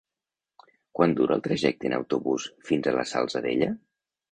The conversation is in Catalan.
Quant dura el trajecte en autobús fins a la Salzadella?